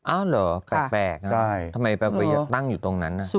เหรอแปลกทำไมไปตั้งอยู่ตรงนั้น